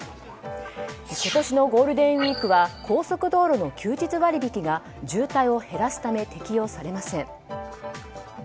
今年のゴールデンウィークは高速道路の休日割引が渋滞を減らすため適用されません。